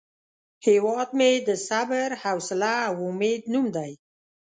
هیواد مې د صبر، حوصله او امید نوم دی